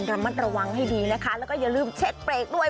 ระมัดระวังให้ดีนะคะแล้วก็อย่าลืมเช็ดเปรกด้วย